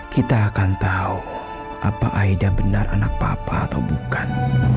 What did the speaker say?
kita akan tahu apa aida benar anak papa atau bukan